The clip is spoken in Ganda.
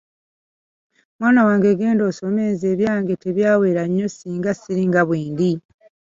Mwana wange genda osome nze ebyange tebyawera nnyo singa siringa bwendi.